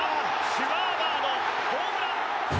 シュワーバーのホームラン！